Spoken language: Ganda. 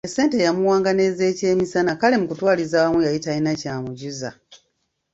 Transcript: Essente yamuwanga n’ezekyemisana kale mukutwaliza awamu yali talina kyamujuza.